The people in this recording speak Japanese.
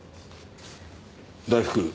大福。